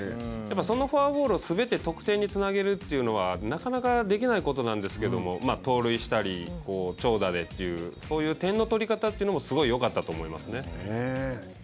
そのフォアボールをすべて得点につなげるというのはなかなかできないことなんですけれども盗塁したり長打でというそういう点の取り方というのもすごいよかったと思いますね。